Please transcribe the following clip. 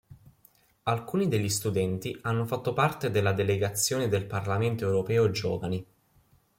Alcuni degli studenti hanno fatto parte della delegazione del Parlamento Europeo Giovani.